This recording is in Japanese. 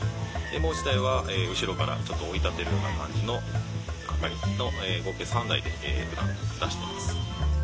もう一台は後ろからちょっと追い立てるな感じの係の合計３台で車出してます。